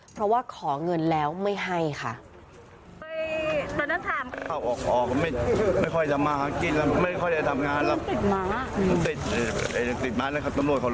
เพราะว่าขอเงินแล้วไม่ให้ค่ะ